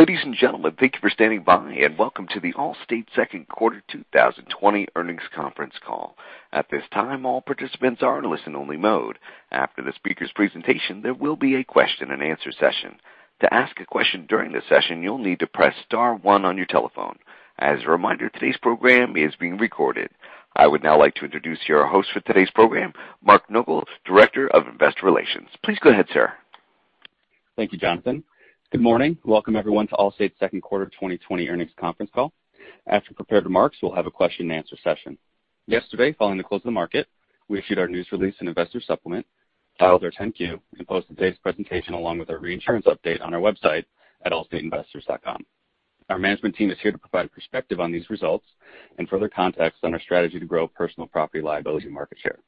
Ladies and gentlemen, thank you for standing by and welcome to the Allstate Second Quarter 2020 Earnings Conference Call. At this time, all participants are in listen-only mode. After the speaker's presentation, there will be a question-and-answer session. To ask a question during the session, you'll need to press star one on your telephone. As a reminder, today's program is being recorded. I would now like to introduce your host for today's program, Mark Nogal, Director of Investor Relations. Please go ahead, sir. Thank you, Jonathan. Good morning. Welcome, everyone, to Allstate's Second Quarter 2020 Earnings Conference Call. After we prepare remarks, we'll have a question-and-answer session. Yesterday, following the close of the market, we issued our news release and investor supplement, filed our 10-Q, and posted today's presentation along with our reinsurance update on our website at allstateinvestors.com. Our management team is here to provide perspective on these results and further context on our strategy to grow personal property liability market share.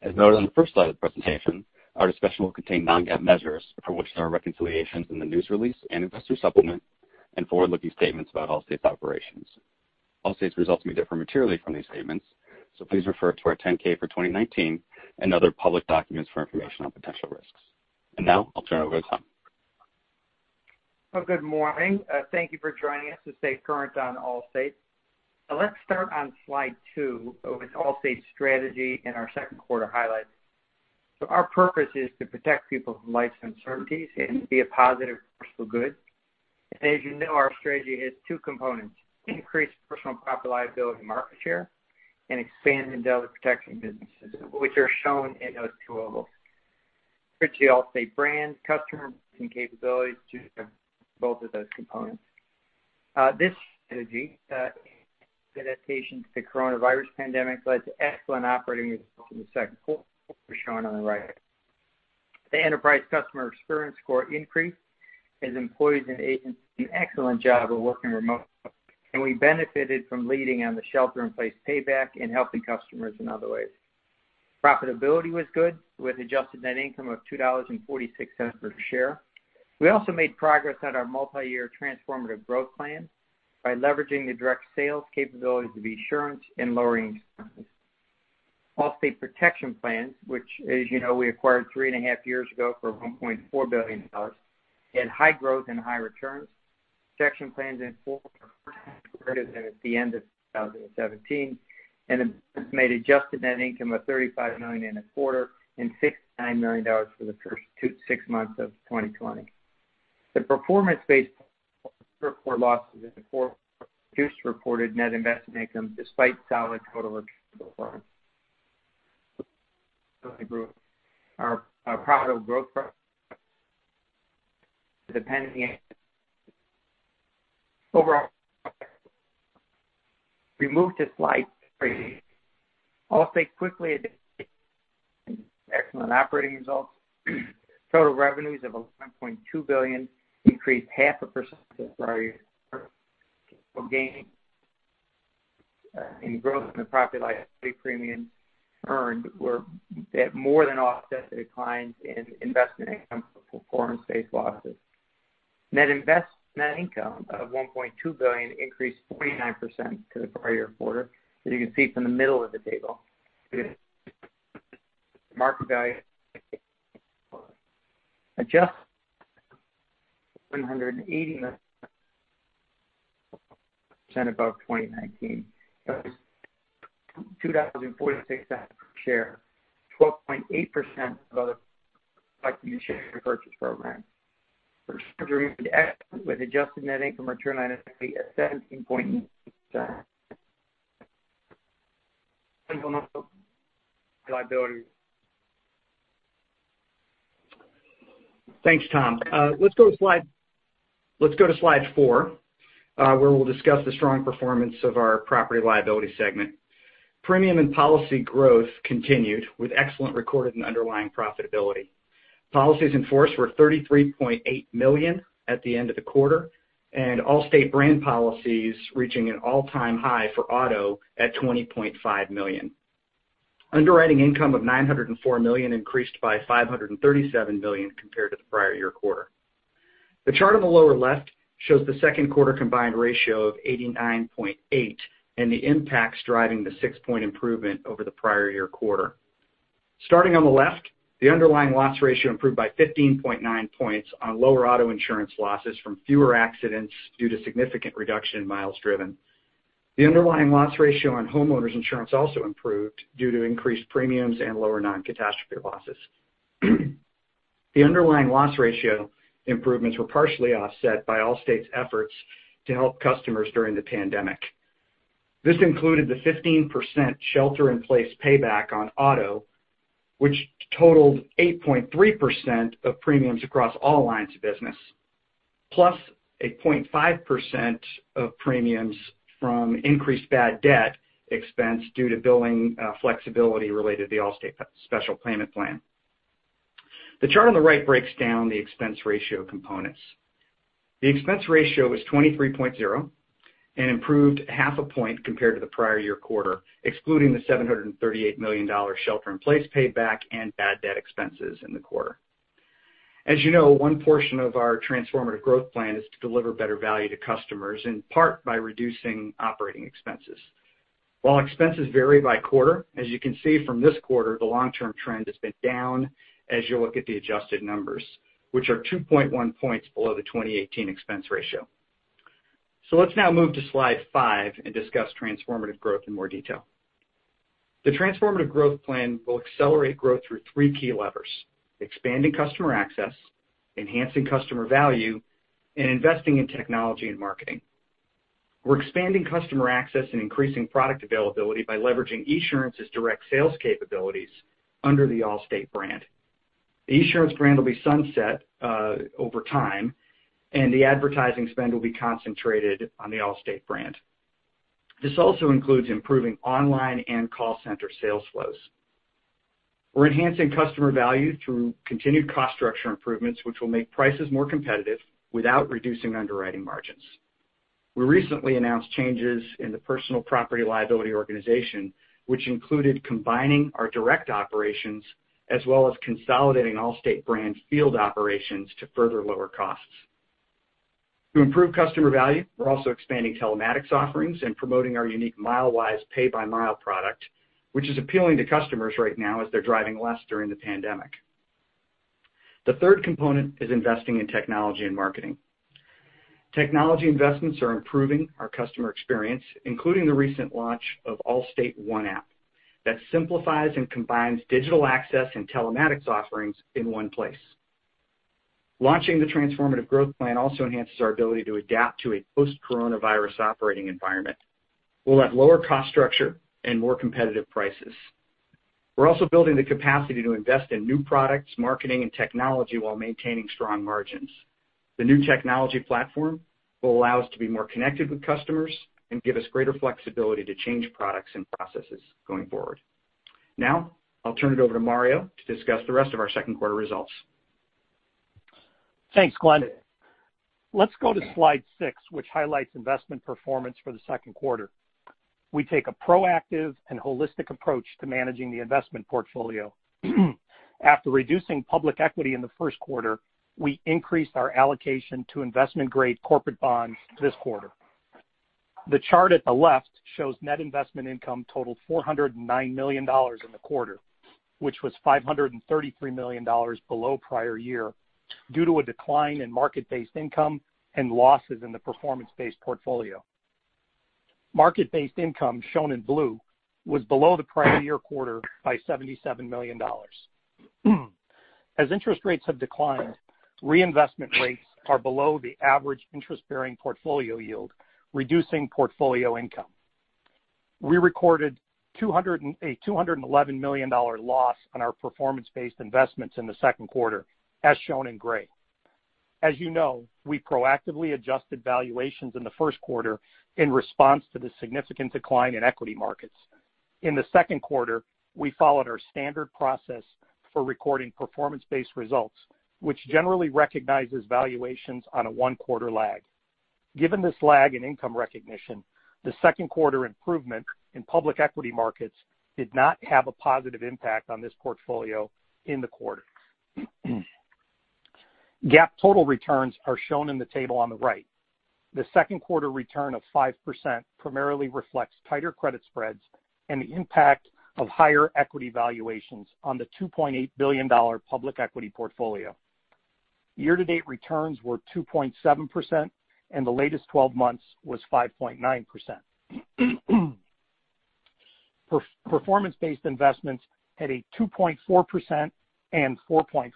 As noted on the first slide of the presentation, our discussion will contain non-GAAP measures for which there are reconciliations in the news release and investor supplement, and forward-looking statements about Allstate's operations. Allstate's results may differ materially from these statements, so please refer to our 10-K for 2019 and other public documents for information on potential risks. And now, I'll turn it over to Tom. Good morning. Thank you for joining us to stay current on Allstate. Let's start on slide two with Allstate's strategy and our second quarter highlights. Our purpose is to protect people's lives from uncertainties and be a positive, forceful good. And as you know, our strategy has two components: increase personal property liability market share and expand and develop protection businesses, which are shown in those two ovals. Leveraging Allstate brand, customer, and capabilities to both of those components. This strategy, in its adaptation to the coronavirus pandemic, led to excellent operating results in the second quarter, as shown on the right. The enterprise customer experience score increased as employees and agents did an excellent job of working remote, and we benefited from leading on the Shelter-in-Place Payback and helping customers in other ways. Profitability was good, with adjusted net income of $2.46 per share. We also made progress on our multi-year transformative growth plan by leveraging the direct sales capabilities of Esurance and lowering expenses. Allstate Protection Plans, which, as you know, we acquired three and a half years ago for $1.4 billion, had high growth and high returns. Policies in force were greater than at the end of 2017, and it generated adjusted net income of $35 million in the quarter and $69 million for the first six months of 2020. The performance-based losses in the quarter reduced reported net investment income despite solid total returns. We're proud of our growth progress. Overall, let's move to slide three. Allstate quickly adapted and achieved excellent operating results. Total revenues of $11.2 billion increased 0.5% since prior year. Gains from growth in the Property-Liability premiums earned were more than offset by the declines in investment income from performance-based losses. Net income of $1.2 billion increased 49% to the prior year quarter, as you can see from the middle of the table. Market value adjusted 180% above 2019. That was $2,046 per share, 12.8% above the share purchase program. Returns remained excellent, with adjusted net income return on equity at 17.9%. Thanks, Tom. Let's go to slide four, where we'll discuss the strong performance of our property liability segment. Premium and policy growth continued, with excellent recorded and underlying profitability. Policies in force were 33.8 million at the end of the quarter, and Allstate brand policies reaching an all-time high for auto at 20.5 million. Underwriting income of $904 million increased by $537 million compared to the prior year quarter. The chart on the lower left shows the second quarter combined ratio of 89.8% and the impacts driving the six-point improvement over the prior year quarter. Starting on the left, the underlying loss ratio improved by 15.9 points on lower auto insurance losses from fewer accidents due to significant reduction in miles driven. The underlying loss ratio on homeowners insurance also improved due to increased premiums and lower non-catastrophe losses. The underlying loss ratio improvements were partially offset by Allstate's efforts to help customers during the pandemic. This included the 15% Shelter-in-Place Payback on auto, which totaled 8.3% of premiums across all lines of business, plus a 0.5% of premiums from increased bad debt expense due to billing flexibility related to the Allstate Special Payment Plan. The chart on the right breaks down the expense ratio components. The expense ratio was 23.0% and improved 0.5 points compared to the prior year quarter, excluding the $738 million Shelter-in-Place Payback and bad debt expenses in the quarter. As you know, one portion of our transformative growth plan is to deliver better value to customers, in part by reducing operating expenses. While expenses vary by quarter, as you can see from this quarter, the long-term trend has been down as you look at the adjusted numbers, which are 2.1 points below the 2018 expense ratio. So let's now move to slide five and discuss transformative growth in more detail. The transformative growth plan will accelerate growth through three key levers: expanding customer access, enhancing customer value, and investing in technology and marketing. We're expanding customer access and increasing product availability by leveraging Esurance's direct sales capabilities under the Allstate brand. The Esurance brand will be sunset over time, and the advertising spend will be concentrated on the Allstate brand. This also includes improving online and call center sales flows. We're enhancing customer value through continued cost structure improvements, which will make prices more competitive without reducing underwriting margins. We recently announced changes in the personal property liability organization, which included combining our direct operations as well as consolidating Allstate brand field operations to further lower costs. To improve customer value, we're also expanding telematics offerings and promoting our unique Milewise pay-by-mile product, which is appealing to customers right now as they're driving less during the pandemic. The third component is investing in technology and marketing. Technology investments are improving our customer experience, including the recent launch of Allstate One app that simplifies and combines digital access and telematics offerings in one place. Launching the transformative growth plan also enhances our ability to adapt to a post-coronavirus operating environment. We'll have lower cost structure and more competitive prices. We're also building the capacity to invest in new products, marketing, and technology while maintaining strong margins. The new technology platform will allow us to be more connected with customers and give us greater flexibility to change products and processes going forward. Now, I'll turn it over to Mario to discuss the rest of our second quarter results. Thanks, Glenn. Let's go to slide six, which highlights investment performance for the second quarter. We take a proactive and holistic approach to managing the investment portfolio. After reducing public equity in the first quarter, we increased our allocation to investment-grade corporate bonds this quarter. The chart at the left shows net investment income totaled $409 million in the quarter, which was $533 million below prior year due to a decline in market-based income and losses in the performance-based portfolio. Market-based income, shown in blue, was below the prior year quarter by $77 million. As interest rates have declined, reinvestment rates are below the average interest-bearing portfolio yield, reducing portfolio income. We recorded a $211 million loss on our performance-based investments in the second quarter, as shown in gray. As you know, we proactively adjusted valuations in the first quarter in response to the significant decline in equity markets. In the second quarter, we followed our standard process for recording performance-based results, which generally recognizes valuations on a one-quarter lag. Given this lag in income recognition, the second quarter improvement in public equity markets did not have a positive impact on this portfolio in the quarter. GAAP total returns are shown in the table on the right. The second quarter return of 5% primarily reflects tighter credit spreads and the impact of higher equity valuations on the $2.8 billion public equity portfolio. Year-to-date returns were 2.7%, and the latest 12 months was 5.9%. Performance-based investments had a 2.4% and 4.5%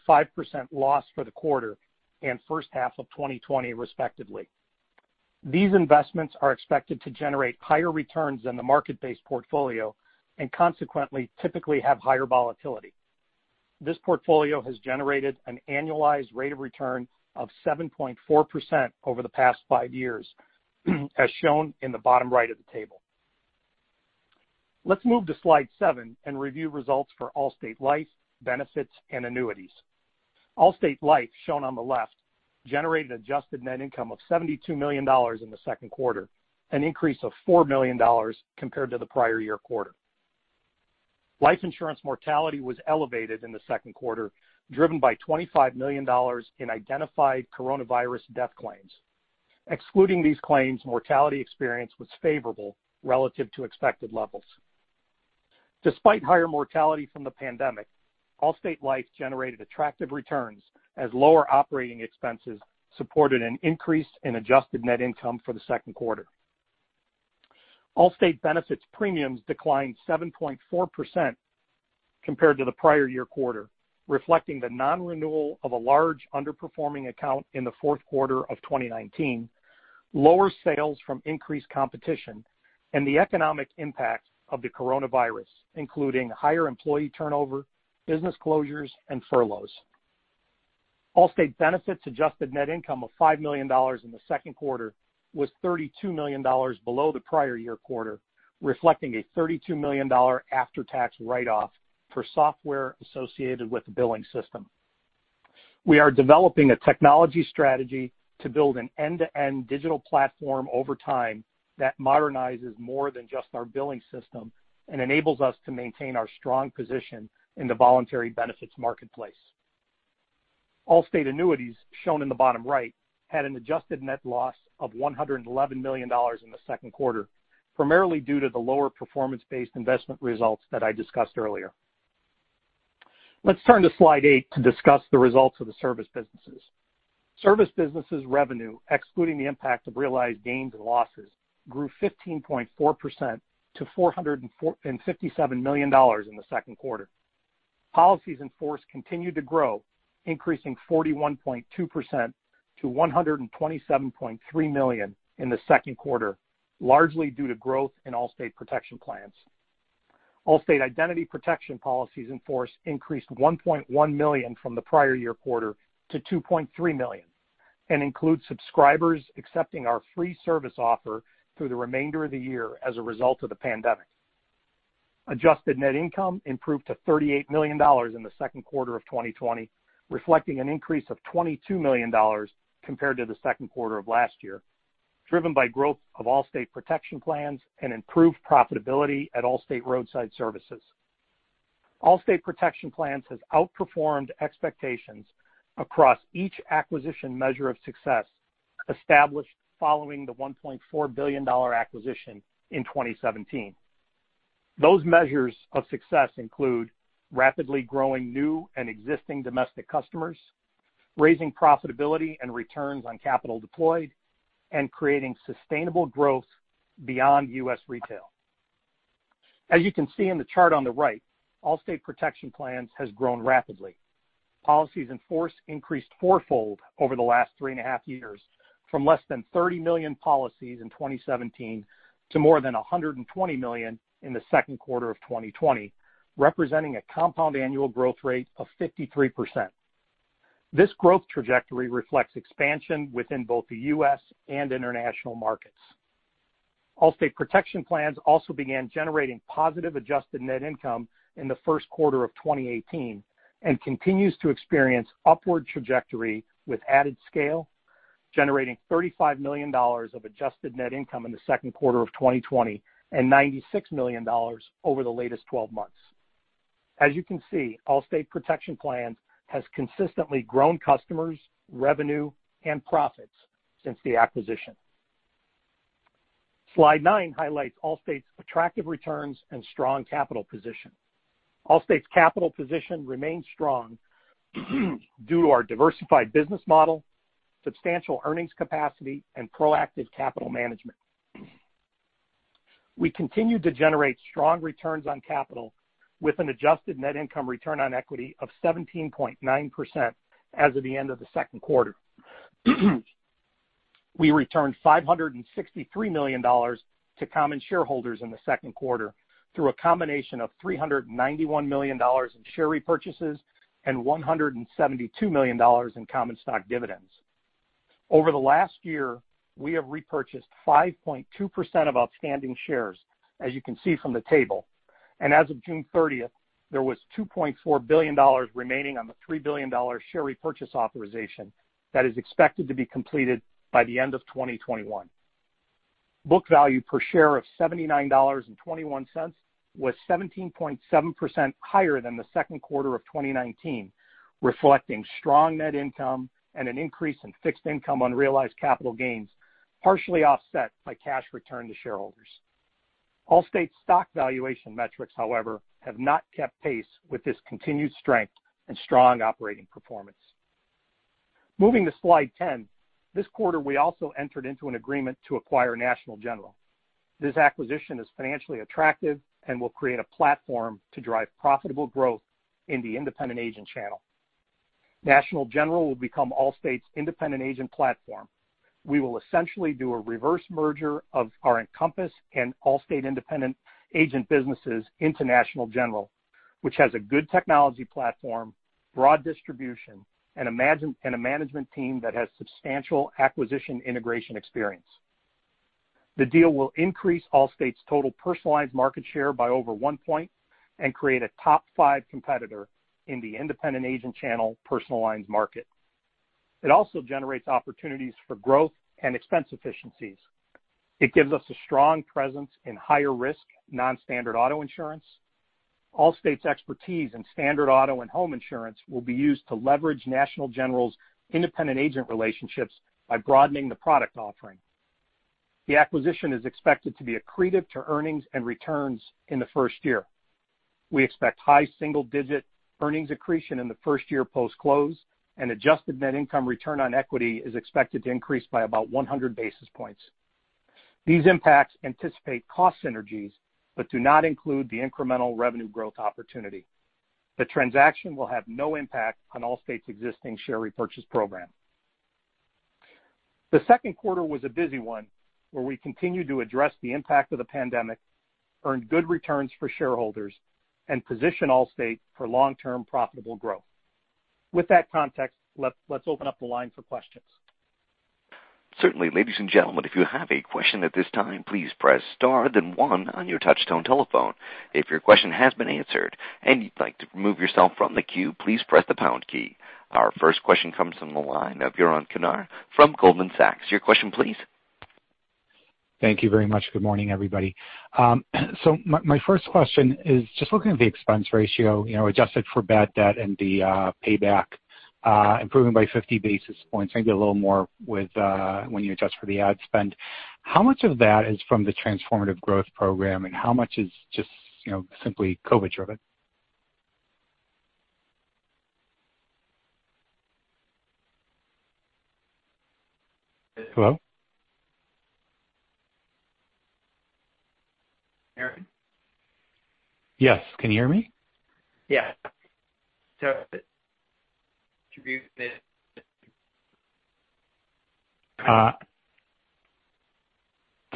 loss for the quarter and first half of 2020, respectively. These investments are expected to generate higher returns than the market-based portfolio and, consequently, typically have higher volatility. This portfolio has generated an annualized rate of return of 7.4% over the past five years, as shown in the bottom right of the table. Let's move to slide seven and review results for Allstate Life, benefits, and annuities. Allstate Life, shown on the left, generated adjusted net income of $72 million in the second quarter, an increase of $4 million compared to the prior year quarter. Life insurance mortality was elevated in the second quarter, driven by $25 million in identified coronavirus death claims. Excluding these claims, mortality experience was favorable relative to expected levels. Despite higher mortality from the pandemic, Allstate Life generated attractive returns as lower operating expenses supported an increase in adjusted net income for the second quarter. Allstate benefits premiums declined 7.4% compared to the prior year quarter, reflecting the non-renewal of a large underperforming account in the fourth quarter of 2019, lower sales from increased competition, and the economic impact of the coronavirus, including higher employee turnover, business closures, and furloughs. Allstate benefits adjusted net income of $5 million in the second quarter was $32 million below the prior year quarter, reflecting a $32 million after-tax write-off for software associated with the billing system. We are developing a technology strategy to build an end-to-end digital platform over time that modernizes more than just our billing system and enables us to maintain our strong position in the voluntary benefits marketplace. Allstate annuities, shown in the bottom right, had an adjusted net loss of $111 million in the second quarter, primarily due to the lower performance-based investment results that I discussed earlier. Let's turn to slide eight to discuss the results of the service businesses. Service businesses' revenue, excluding the impact of realized gains and losses, grew 15.4% to $457 million in the second quarter. Policies in force continued to grow, increasing 41.2% to 127.3 million in the second quarter, largely due to growth in Allstate Protection Plans. Allstate Identity Protection policies in force increased 1.1 million from the prior year quarter to 2.3 million and include subscribers accepting our free service offer through the remainder of the year as a result of the pandemic. Adjusted net income improved to $38 million in the second quarter of 2020, reflecting an increase of $22 million compared to the second quarter of last year, driven by growth of Allstate Protection Plans and improved profitability at Allstate Roadside Services. Allstate Protection Plans have outperformed expectations across each acquisition measure of success established following the $1.4 billion acquisition in 2017. Those measures of success include rapidly growing new and existing domestic customers, raising profitability and returns on capital deployed, and creating sustainable growth beyond U.S. retail. As you can see in the chart on the right, Allstate Protection Plans have grown rapidly. Policies in force increased fourfold over the last three and a half years, from less than 30 million policies in 2017 to more than 120 million in the second quarter of 2020, representing a compound annual growth rate of 53%. This growth trajectory reflects expansion within both the U.S. and international markets. Allstate Protection Plans also began generating positive adjusted net income in the first quarter of 2018 and continue to experience upward trajectory with added scale, generating $35 million of adjusted net income in the second quarter of 2020 and $96 million over the latest 12 months. As you can see, Allstate Protection Plans have consistently grown customers, revenue, and profits since the acquisition. Slide nine highlights Allstate's attractive returns and strong capital position. Allstate's capital position remains strong due to our diversified business model, substantial earnings capacity, and proactive capital management. We continue to generate strong returns on capital with an adjusted net income return on equity of 17.9% as of the end of the second quarter. We returned $563 million to common shareholders in the second quarter through a combination of $391 million in share repurchases and $172 million in common stock dividends. Over the last year, we have repurchased 5.2% of outstanding shares, as you can see from the table, and as of June 30th, there was $2.4 billion remaining on the $3 billion share repurchase authorization that is expected to be completed by the end of 2021. Book value per share of $79.21 was 17.7% higher than the second quarter of 2019, reflecting strong net income and an increase in fixed income on realized capital gains, partially offset by cash return to shareholders. Allstate's stock valuation metrics, however, have not kept pace with this continued strength and strong operating performance. Moving to slide 10, this quarter, we also entered into an agreement to acquire National General. This acquisition is financially attractive and will create a platform to drive profitable growth in the independent agent channel. National General will become Allstate's independent agent platform. We will essentially do a reverse merger of our Encompass and Allstate independent agent businesses into National General, which has a good technology platform, broad distribution, and a management team that has substantial acquisition integration experience. The deal will increase Allstate's total personal lines market share by over one point and create a top five competitor in the independent agent channel personal lines market. It also generates opportunities for growth and expense efficiencies. It gives us a strong presence in higher risk nonstandard auto insurance. Allstate's expertise in standard auto and home insurance will be used to leverage National General's independent agent relationships by broadening the product offering. The acquisition is expected to be accretive to earnings and returns in the first year. We expect high single-digit earnings accretion in the first year post-close, and adjusted net income return on equity is expected to increase by about 100 basis points. These impacts anticipate cost synergies, but do not include the incremental revenue growth opportunity. The transaction will have no impact on Allstate's existing share repurchase program. The second quarter was a busy one where we continue to address the impact of the pandemic, earn good returns for shareholders, and position Allstate for long-term profitable growth. With that context, let's open up the line for questions. Certainly, ladies and gentlemen, if you have a question at this time, please press star then one on your touch-tone telephone. If your question has been answered and you'd like to remove yourself from the queue, please press the pound key. Our first question comes from the line of Yaron Kinar from Goldman Sachs. Your question, please. Thank you very much. Good morning, everybody. So my first question is just looking at the expense ratio, adjusted for bad debt and the payback, improving by 50 basis points, maybe a little more when you adjust for the ad spend. How much of that is from the transformative growth program, and how much is just simply COVID-driven? Hello? Yaron? Yes, can you hear me? Yeah.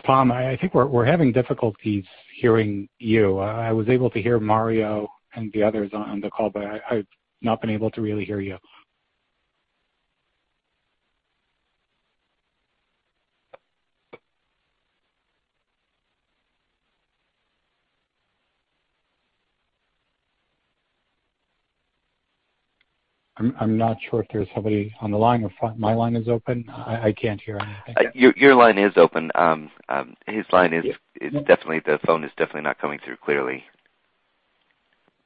Tom, I think we're having difficulties hearing you. I was able to hear Mario and the others on the call, but I've not been able to really hear you. I'm not sure if there's somebody on the line or my line is open. I can't hear anything. Your line is open. His line is definitely. The phone is definitely not coming through clearly.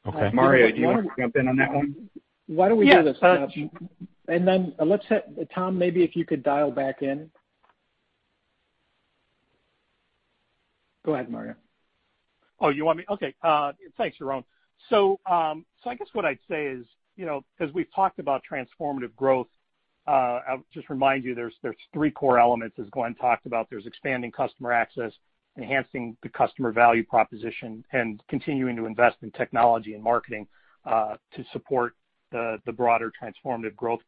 Okay. Mario, do you want to jump in on that one? Why don't we do this? And then let's hit Tom, maybe if you could dial back in. Go ahead, Mario. Oh, you want me? Okay. Thanks, Yoram. So I guess what I'd say is, as we've talked about transformative growth, I'll just remind you there's three core elements, as Glenn talked about. There's expanding customer access, enhancing the customer value proposition, and continuing to invest in technology and marketing to support the broader transformative growth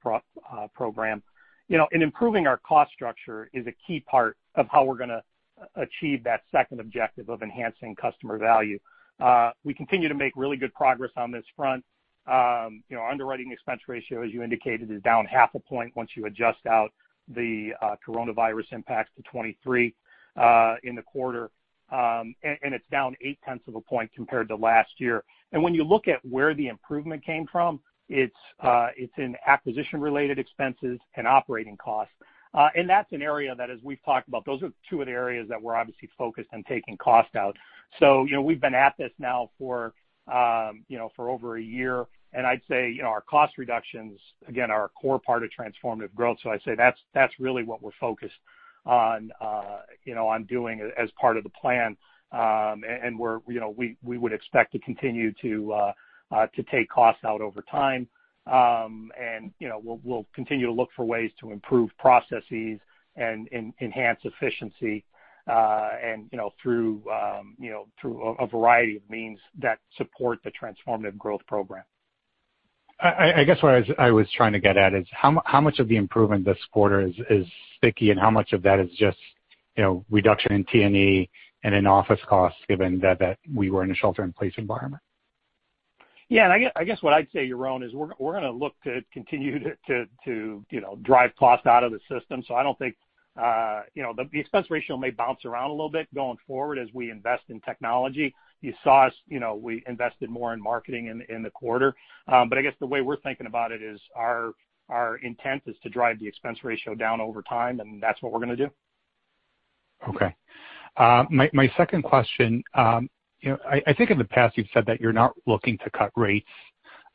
program. And improving our cost structure is a key part of how we're going to achieve that second objective of enhancing customer value. We continue to make really good progress on this front. Underwriting expense ratio, as you indicated, is down 0.5 point once you adjust out the coronavirus impacts to 23% in the quarter, and it's down 0.8 point compared to last year. And when you look at where the improvement came from, it's in acquisition-related expenses and operating costs. And that's an area that, as we've talked about, those are two of the areas that we're obviously focused on taking cost out. So we've been at this now for over a year, and I'd say our cost reductions, again, are a core part of transformative growth. So I'd say that's really what we're focused on doing as part of the plan, and we would expect to continue to take cost out over time. And we'll continue to look for ways to improve processes and enhance efficiency through a variety of means that support the transformative growth program. I guess what I was trying to get at is how much of the improvement this quarter is sticky, and how much of that is just reduction in T&E and in office costs, given that we were in a shelter-in-place environment? Yeah. And I guess what I'd say, Yaron, is we're going to look to continue to drive cost out of the system. So I don't think the expense ratio may bounce around a little bit going forward as we invest in technology. You saw us, we invested more in marketing in the quarter. But I guess the way we're thinking about it is our intent is to drive the expense ratio down over time, and that's what we're going to do. Okay. My second question, I think in the past you've said that you're not looking to cut rates,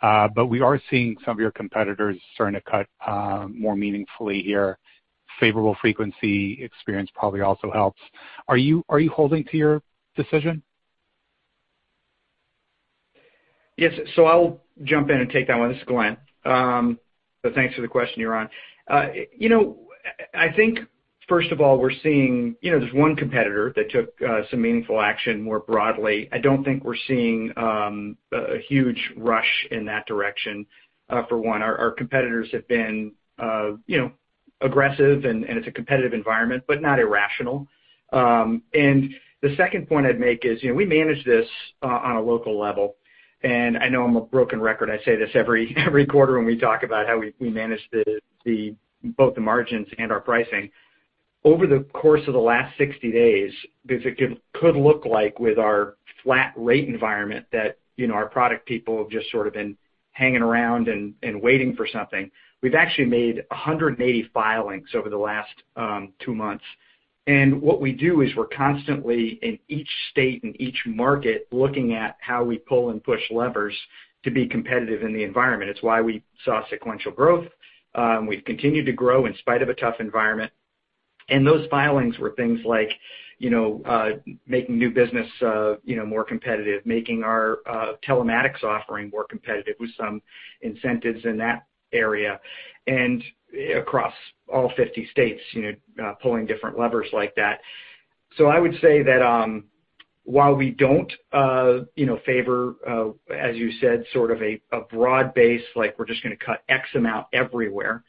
but we are seeing some of your competitors starting to cut more meaningfully here. Favorable frequency experience probably also helps. Are you holding to your decision? Yes. So I'll jump in and take that one. This is Glenn. So thanks for the question, Yaron. I think, first of all, we're seeing there's one competitor that took some meaningful action more broadly. I don't think we're seeing a huge rush in that direction, for one. Our competitors have been aggressive, and it's a competitive environment, but not irrational. And the second point I'd make is we manage this on a local level. And I know I'm a broken record. I say this every quarter when we talk about how we manage both the margins and our pricing. Over the course of the last 60 days, because it could look like with our flat rate environment that our product people have just sort of been hanging around and waiting for something, we've actually made 180 filings over the last two months. What we do is we're constantly, in each state and each market, looking at how we pull and push levers to be competitive in the environment. It's why we saw sequential growth. We've continued to grow in spite of a tough environment. And those filings were things like making new business more competitive, making our telematics offering more competitive with some incentives in that area, and across all 50 states, pulling different levers like that. So I would say that while we don't favor, as you said, sort of a broad base, like we're just going to cut X amount everywhere,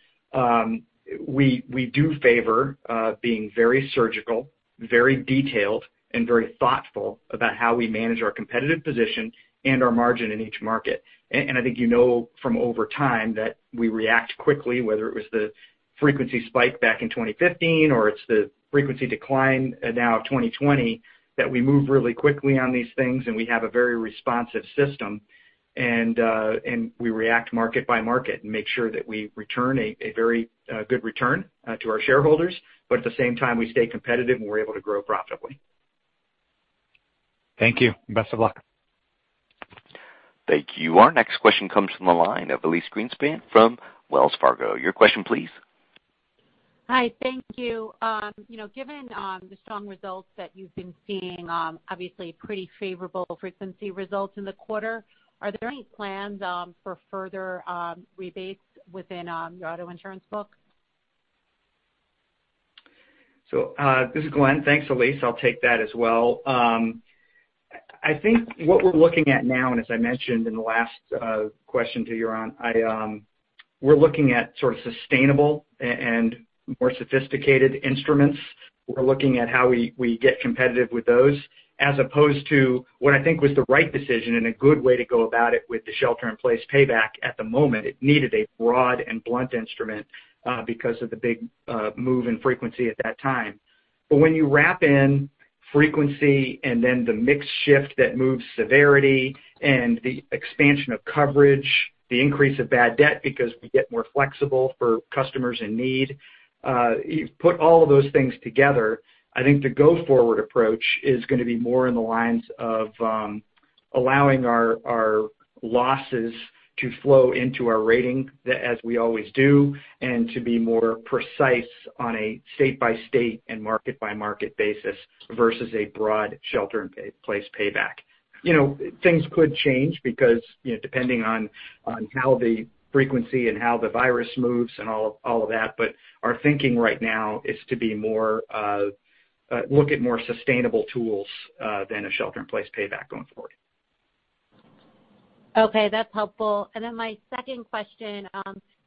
we do favor being very surgical, very detailed, and very thoughtful about how we manage our competitive position and our margin in each market. And I think you know from over time that we react quickly, whether it was the frequency spike back in 2015 or it's the frequency decline now of 2020, that we move really quickly on these things, and we have a very responsive system. And we react market by market and make sure that we return a very good return to our shareholders, but at the same time, we stay competitive and we're able to grow profitably. Thank you. Best of luck. Thank you. Our next question comes from the line of Elyse Greenspan from Wells Fargo. Your question, please. Hi. Thank you. Given the strong results that you've been seeing, obviously pretty favorable frequency results in the quarter, are there any plans for further rebates within your auto insurance book? So this is Glenn. Thanks, Elyse. I'll take that as well. I think what we're looking at now, and as I mentioned in the last question to Yaron, we're looking at sort of sustainable and more sophisticated instruments. We're looking at how we get competitive with those, as opposed to what I think was the right decision and a good way to go about it with the Shelter-in-Place Payback at the moment. It needed a broad and blunt instrument because of the big move in frequency at that time. But when you wrap in frequency and then the mixed shift that moves severity and the expansion of coverage, the increase of bad debt because we get more flexible for customers in need, you put all of those things together, I think the go-forward approach is going to be more in the lines of allowing our losses to flow into our rating, as we always do, and to be more precise on a state-by-state and market-by-market basis versus a broad Shelter-in-Place Payback. Things could change because depending on how the frequency and how the virus moves and all of that, but our thinking right now is to look at more sustainable tools than a Shelter-in-Place Payback going forward. Okay. That's helpful, and then my second question,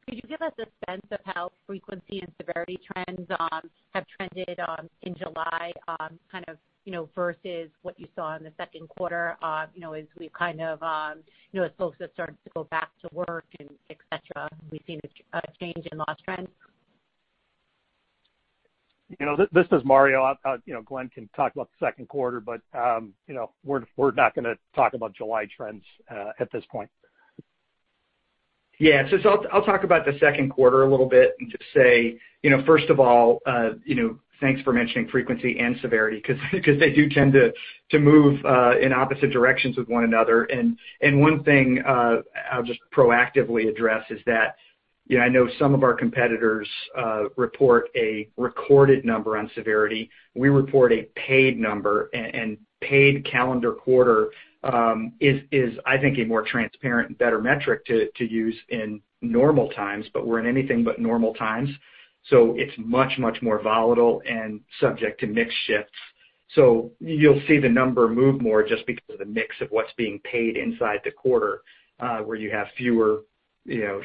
could you give us a sense of how frequency and severity trends have trended in July kind of versus what you saw in the second quarter as we kind of, as folks have started to go back to work and etc.? We've seen a change in loss trends. This is Mario. Glenn can talk about the second quarter, but we're not going to talk about July trends at this point. Yeah. So I'll talk about the second quarter a little bit and just say, first of all, thanks for mentioning frequency and severity because they do tend to move in opposite directions with one another. And one thing I'll just proactively address is that I know some of our competitors report a recorded number on severity. We report a paid number, and paid calendar quarter is, I think, a more transparent and better metric to use in normal times, but we're in anything but normal times. So it's much, much more volatile and subject to mixed shifts. So you'll see the number move more just because of the mix of what's being paid inside the quarter, where you have fewer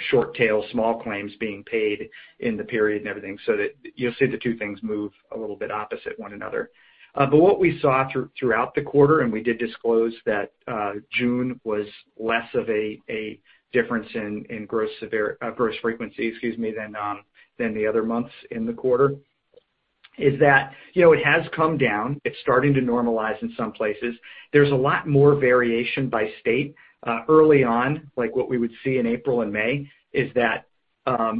short-tail, small claims being paid in the period and everything. So you'll see the two things move a little bit opposite one another. But what we saw throughout the quarter, and we did disclose that June was less of a difference in gross frequency, excuse me, than the other months in the quarter, is that it has come down. It's starting to normalize in some places. There's a lot more variation by state. Early on, like what we would see in April and May, is that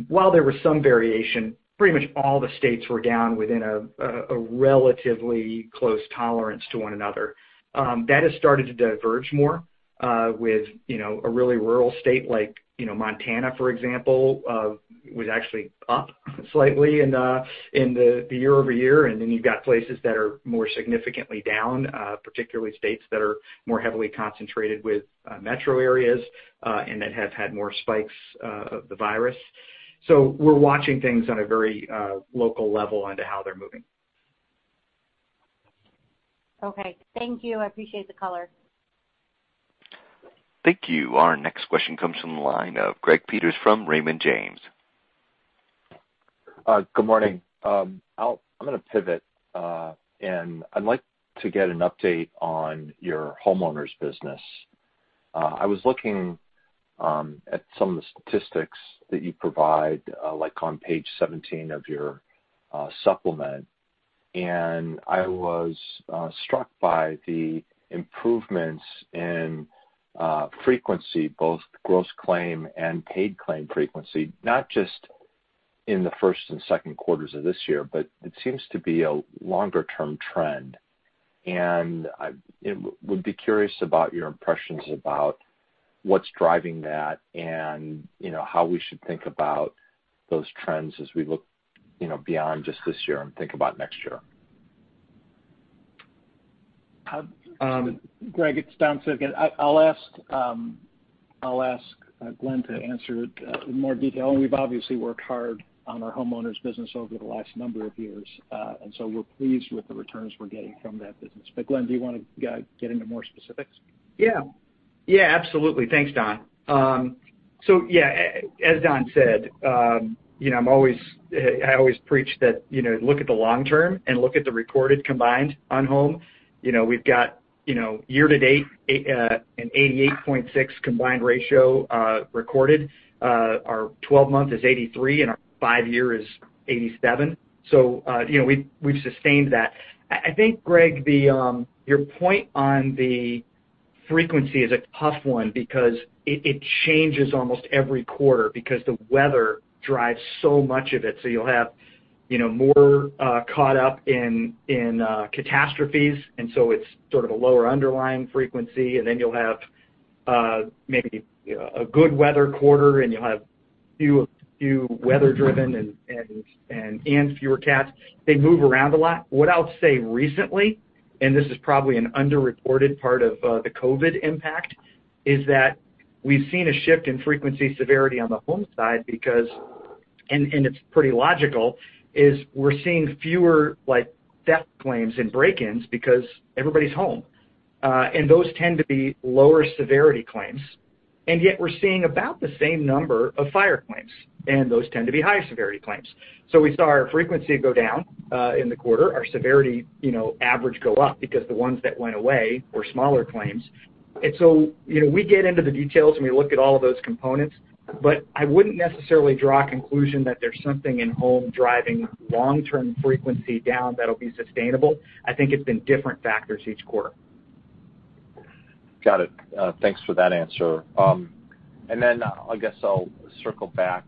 while there was some variation, pretty much all the states were down within a relatively close tolerance to one another. That has started to diverge more with a really rural state like Montana, for example, was actually up slightly in the year over year. And then you've got places that are more significantly down, particularly states that are more heavily concentrated with metro areas and that have had more spikes of the virus. So we're watching things on a very local level on to how they're moving. Okay. Thank you. I appreciate the color. Thank you. Our next question comes from the line of Greg Peters from Raymond James. Good morning. I'm going to pivot, and I'd like to get an update on your homeowners business. I was looking at some of the statistics that you provide, like on page 17 of your supplement, and I was struck by the improvements in frequency, both gross claim and paid claim frequency, not just in the first and second quarters of this year, but it seems to be a longer-term trend, and I would be curious about your impressions about what's driving that and how we should think about those trends as we look beyond just this year and think about next year. Greg, it's Don Civgin. I'll ask Glenn to answer it in more detail. And we've obviously worked hard on our homeowners business over the last number of years, and so we're pleased with the returns we're getting from that business. But Glenn, do you want to get into more specifics? Yeah. Yeah. Absolutely. Thanks, Don. So yeah, as Don said, I always preach that look at the long term and look at the recorded combined on home. We've got year to date an 88.6% combined ratio recorded. Our 12-month is 83%, and our 5-year is 87%. So we've sustained that. I think, Greg, your point on the frequency is a tough one because it changes almost every quarter because the weather drives so much of it. So you'll have more caught up in catastrophes, and so it's sort of a lower underlying frequency. And then you'll have maybe a good weather quarter, and you'll have few weather-driven and fewer cats. They move around a lot. What I'll say recently, and this is probably an underreported part of the COVID impact, is that we've seen a shift in frequency severity on the home side because, and it's pretty logical, we're seeing fewer theft claims and break-ins because everybody's home. And those tend to be lower severity claims. And yet we're seeing about the same number of fire claims, and those tend to be higher severity claims. So we saw our frequency go down in the quarter, our severity average go up because the ones that went away were smaller claims. And so we get into the details, and we look at all of those components, but I wouldn't necessarily draw a conclusion that there's something in home driving long-term frequency down that'll be sustainable. I think it's been different factors each quarter. Got it. Thanks for that answer. And then I guess I'll circle back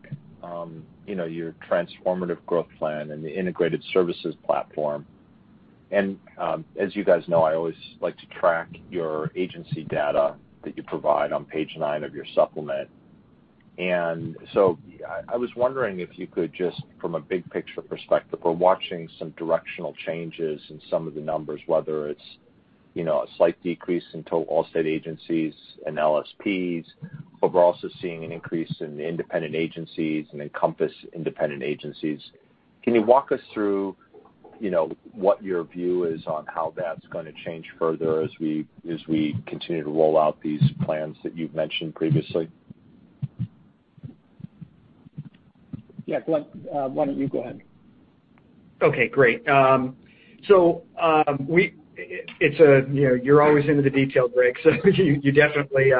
to your transformative growth plan and the integrated services platform. And as you guys know, I always like to track your agency data that you provide on page 9 of your supplement. And so I was wondering if you could just, from a big-picture perspective, we're watching some directional changes in some of the numbers, whether it's a slight decrease in Allstate agencies and LSPs, but we're also seeing an increase in independent agencies and Encompass independent agencies. Can you walk us through what your view is on how that's going to change further as we continue to roll out these plans that you've mentioned previously? Yeah. Glenn, why don't you go ahead? Okay. Great. So you're always into the detail, Greg, so you definitely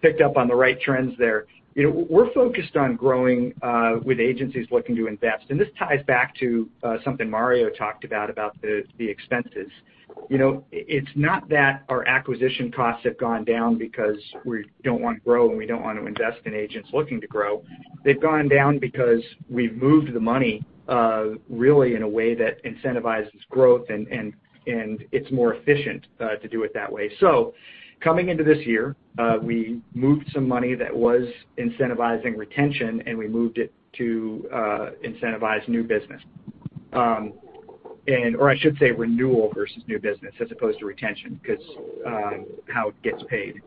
picked up on the right trends there. We're focused on growing with agencies looking to invest. And this ties back to something Mario talked about, about the expenses. It's not that our acquisition costs have gone down because we don't want to grow and we don't want to invest in agents looking to grow. They've gone down because we've moved the money really in a way that incentivizes growth, and it's more efficient to do it that way. So coming into this year, we moved some money that was incentivizing retention, and we moved it to incentivize new business, or I should say renewal versus new business as opposed to retention because of how it gets paid.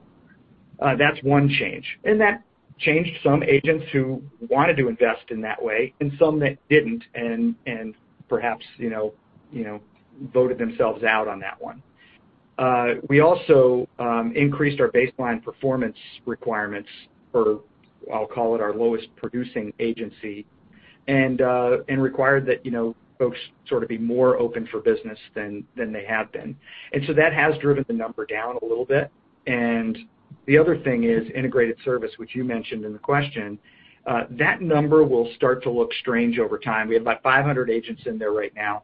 That's one change. That changed some agents who wanted to invest in that way and some that didn't and perhaps voted themselves out on that one. We also increased our baseline performance requirements for, I'll call it, our lowest-producing agency and required that folks sort of be more open for business than they have been. So that has driven the number down a little bit. The other thing is integrated service, which you mentioned in the question, that number will start to look strange over time. We have about 500 agents in there right now.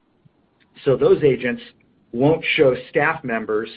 So those agents won't show staff members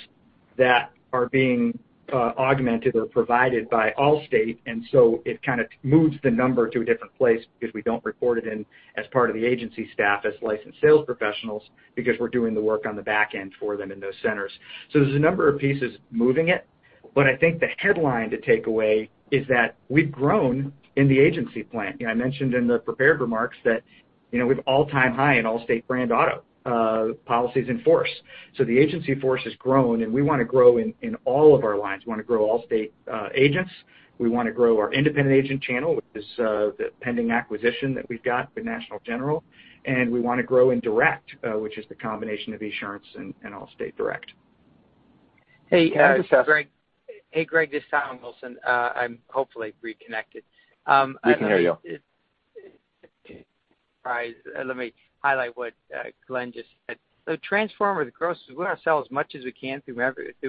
that are being augmented or provided by Allstate. And so it kind of moves the number to a different place because we don't report it in as part of the agency staff as licensed sales professionals because we're doing the work on the back end for them in those centers. So there's a number of pieces moving it, but I think the headline to take away is that we've grown in the agency plan. I mentioned in the prepared remarks that we have all-time high in Allstate brand auto policies in force. So the agency force has grown, and we want to grow in all of our lines. We want to grow Allstate agents. We want to grow our independent agent channel, which is the pending acquisition that we've got with National General. And we want to grow in direct, which is the combination of Esurance and Allstate direct. Hey, Greg. Hey, Greg. This is Tom Wilson. I'm hopefully reconnected. We can hear you. Let me highlight what Glenn just said. So, transformative growth, we want to sell as much as we can through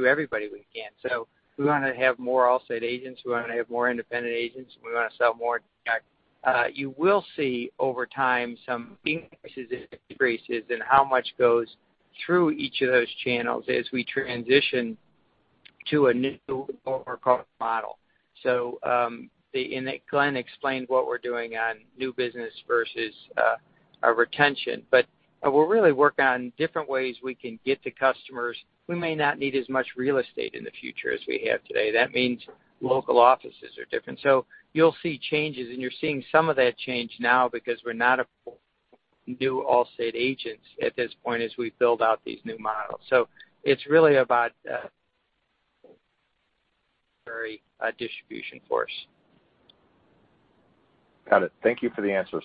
everybody we can. So we want to have more Allstate agents. We want to have more independent agents. We want to sell more direct. You will see over time some increases and decreases in how much goes through each of those channels as we transition to a new, what we're calling, model. So Glenn explained what we're doing on new business versus our retention, but we're really working on different ways we can get to customers. We may not need as much real estate in the future as we have today. That means local offices are different. So you'll see changes, and you're seeing some of that change now because we're not new Allstate agents at this point as we build out these new models. So it's really about a very distribution force. Got it. Thank you for the answers.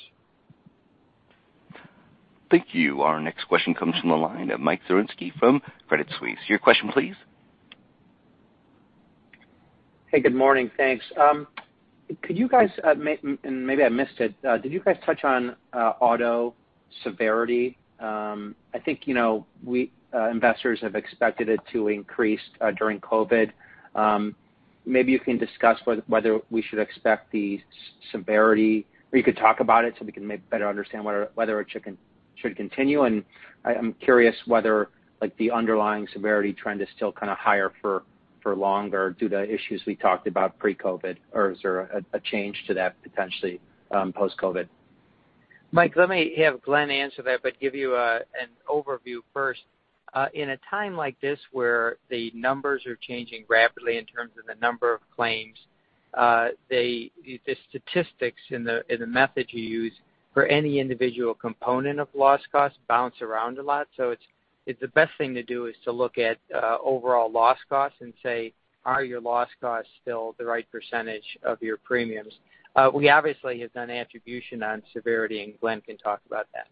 Thank you. Our next question comes from the line of Mike Zaremski from Credit Suisse. Your question, please. Hey, good morning. Thanks. Could you guys, and maybe I missed it, did you guys touch on auto severity? I think investors have expected it to increase during COVID. Maybe you can discuss whether we should expect the severity, or you could talk about it so we can better understand whether it should continue. And I'm curious whether the underlying severity trend is still kind of higher for longer due to issues we talked about pre-COVID, or is there a change to that potentially post-COVID? Mike, let me have Glenn answer that, but give you an overview first. In a time like this where the numbers are changing rapidly in terms of the number of claims, the statistics and the method you use for any individual component of loss costs bounce around a lot. So the best thing to do is to look at overall loss costs and say, "Are your loss costs still the right percentage of your premiums?" We obviously have done attribution on severity, and Glenn can talk about that.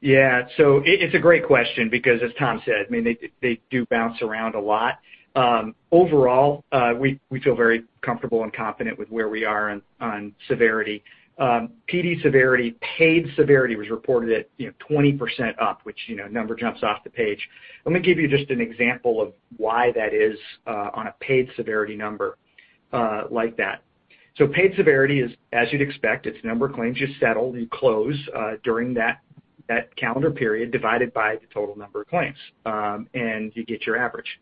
Yeah. So it's a great question because, as Tom said, I mean, they do bounce around a lot. Overall, we feel very comfortable and confident with where we are on severity. Paid severity was reported at 20% up, which number jumps off the page. Let me give you just an example of why that is on a paid severity number like that. So paid severity is, as you'd expect, it's number of claims you settle, you close during that calendar period divided by the total number of claims, and you get your average.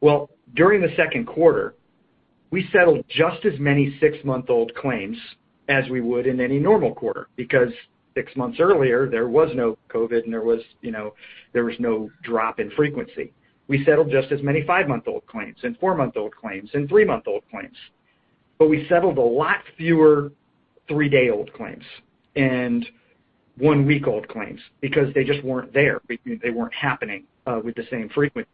Well, during the second quarter, we settled just as many six-month-old claims as we would in any normal quarter because six months earlier, there was no COVID, and there was no drop in frequency. We settled just as many five-month-old claims and four-month-old claims and three-month-old claims. But we settled a lot fewer three-day-old claims and one-week-old claims because they just weren't there. They weren't happening with the same frequency.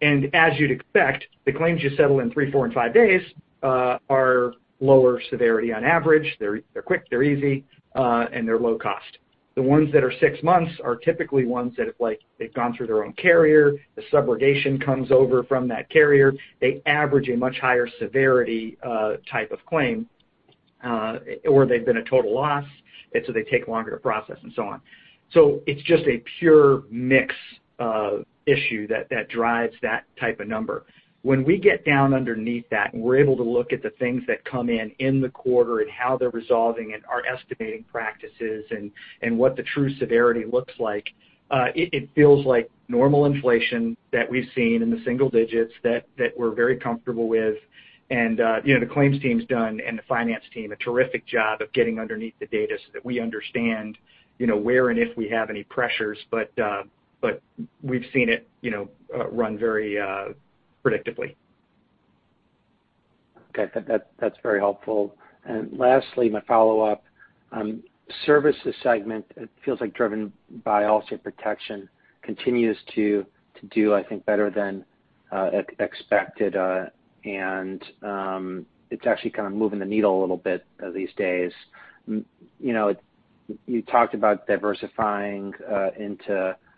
And as you'd expect, the claims you settle in three, four, and five days are lower severity on average. They're quick, they're easy, and they're low cost. The ones that are six months are typically ones that have gone through their own carrier. The subrogation comes over from that carrier. They average a much higher severity type of claim, or they've been a total loss. And so they take longer to process and so on. So it's just a pure mix issue that drives that type of number. When we get down underneath that and we're able to look at the things that come in in the quarter and how they're resolving and our estimating practices and what the true severity looks like, it feels like normal inflation that we've seen in the single digits that we're very comfortable with. And the claims team's done and the finance team a terrific job of getting underneath the data so that we understand where and if we have any pressures, but we've seen it run very predictably. Okay. That's very helpful, and lastly, my follow-up. Services segment, it feels like, driven by Allstate Protection, it continues to do, I think, better than expected, and it's actually kind of moving the needle a little bit these days. You talked about diversifying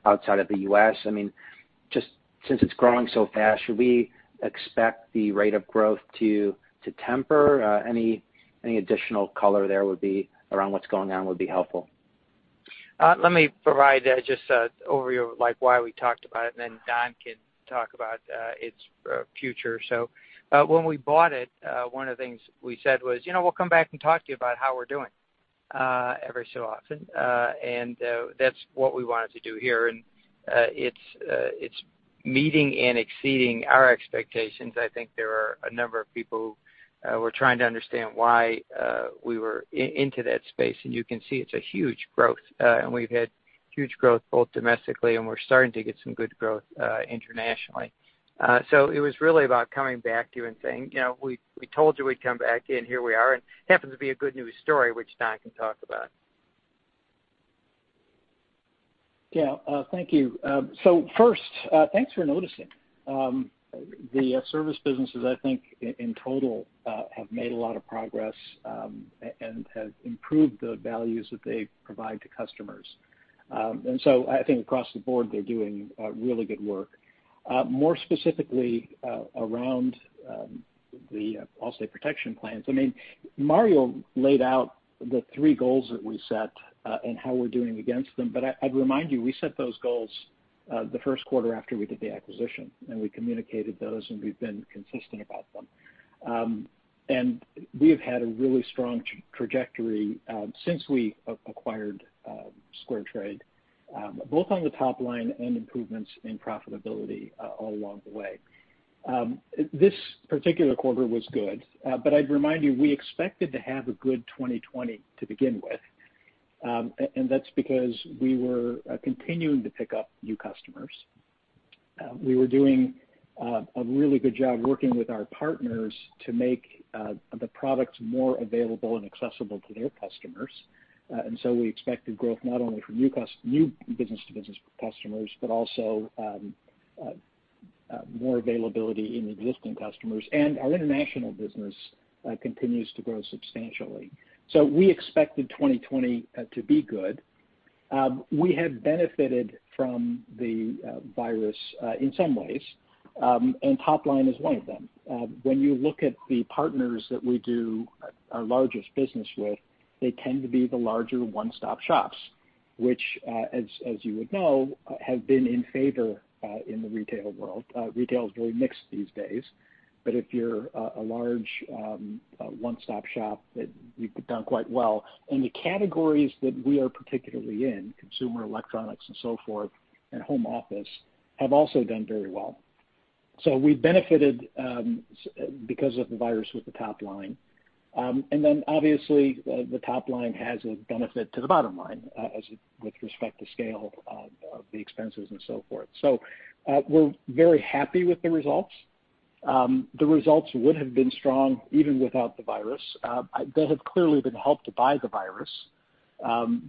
outside of the U.S. I mean, just since it's growing so fast, should we expect the rate of growth to temper? Any additional color there around what's going on would be helpful. Let me provide just an overview of why we talked about it, and then Don can talk about its future, so when we bought it, one of the things we said was, "We'll come back and talk to you about how we're doing every so often," and that's what we wanted to do here, and it's meeting and exceeding our expectations. I think there are a number of people who were trying to understand why we were into that space, and you can see it's a huge growth, and we've had huge growth both domestically, and we're starting to get some good growth internationally, so it was really about coming back to you and saying, "We told you we'd come back, and here we are," and it happens to be a good news story, which Don can talk about. Yeah. Thank you. So first, thanks for noticing. The service businesses, I think, in total have made a lot of progress and have improved the values that they provide to customers. And so I think across the board, they're doing really good work. More specifically around the Allstate Protection Plans, I mean, Mario laid out the three goals that we set and how we're doing against them. But I'd remind you, we set those goals the first quarter after we did the acquisition, and we communicated those, and we've been consistent about them. And we have had a really strong trajectory since we acquired SquareTrade, both on the top line and improvements in profitability all along the way. This particular quarter was good, but I'd remind you, we expected to have a good 2020 to begin with. And that's because we were continuing to pick up new customers. We were doing a really good job working with our partners to make the products more available and accessible to their customers. And so we expected growth not only from new business-to-business customers, but also more availability in existing customers. And our international business continues to grow substantially. So we expected 2020 to be good. We have benefited from the virus in some ways, and top line is one of them. When you look at the partners that we do our largest business with, they tend to be the larger one-stop shops, which, as you would know, have been in favor in the retail world. Retail is very mixed these days, but if you're a large one-stop shop, you've done quite well. And the categories that we are particularly in, consumer electronics and so forth, and home office, have also done very well. So we benefited because of the virus with the top line. And then, obviously, the top line has a benefit to the bottom line with respect to scale of the expenses and so forth. So we're very happy with the results. The results would have been strong even without the virus. They have clearly been helped by the virus,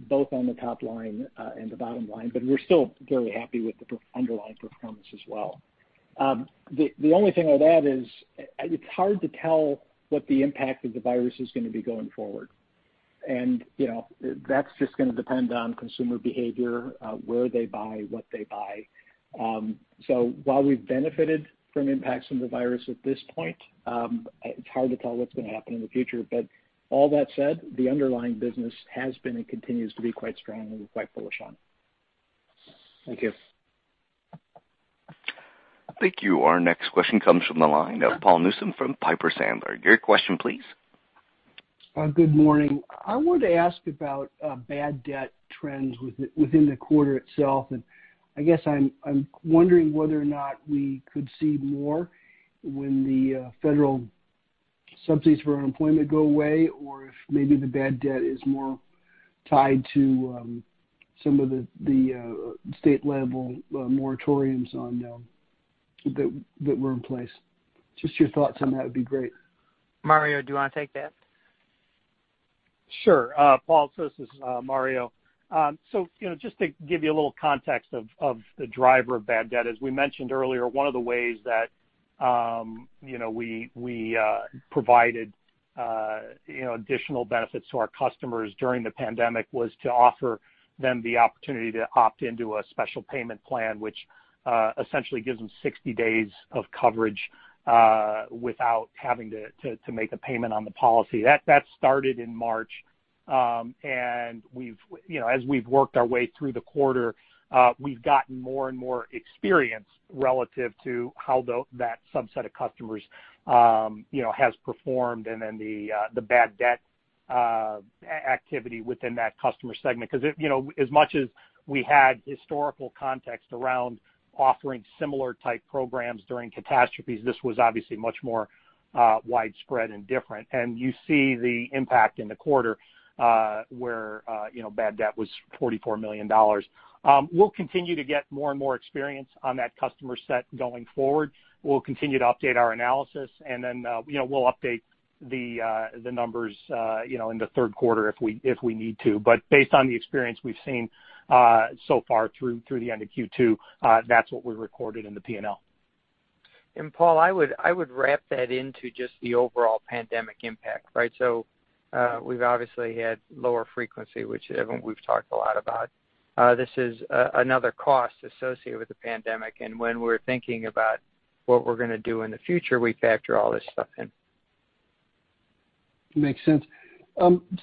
both on the top line and the bottom line, but we're still very happy with the underlying performance as well. The only thing I'd add is it's hard to tell what the impact of the virus is going to be going forward. And that's just going to depend on consumer behavior, where they buy, what they buy. So while we've benefited from impacts from the virus at this point, it's hard to tell what's going to happen in the future. But all that said, the underlying business has been and continues to be quite strong and we're quite bullish on it. Thank you. Thank you. Our next question comes from the line of Paul Newsome from Piper Sandler. Your question, please. Good morning. I wanted to ask about bad debt trends within the quarter itself. And I guess I'm wondering whether or not we could see more when the federal subsidies for unemployment go away, or if maybe the bad debt is more tied to some of the state-level moratoriums that were in place. Just your thoughts on that would be great. Mario, do you want to take that? Sure. Paul. This is Mario. So just to give you a little context of the driver of bad debt, as we mentioned earlier, one of the ways that we provided additional benefits to our customers during the pandemic was to offer them the opportunity to opt into a special payment plan, which essentially gives them 60 days of coverage without having to make a payment on the policy. That started in March. And as we've worked our way through the quarter, we've gotten more and more experience relative to how that subset of customers has performed and then the bad debt activity within that customer segment. Because as much as we had historical context around offering similar-type programs during catastrophes, this was obviously much more widespread and different. And you see the impact in the quarter where bad debt was $44 million. We'll continue to get more and more experience on that customer set going forward. We'll continue to update our analysis, and then we'll update the numbers in the third quarter if we need to. But based on the experience we've seen so far through the end of Q2, that's what we recorded in the P&L. And Paul, I would wrap that into just the overall pandemic impact, right? So we've obviously had lower frequency, which we've talked a lot about. This is another cost associated with the pandemic. And when we're thinking about what we're going to do in the future, we factor all this stuff in. Makes sense.